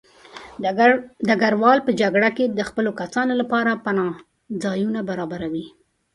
ډګروال په جګړه کې د خپلو کسانو لپاره د پناه ځایونه برابروي.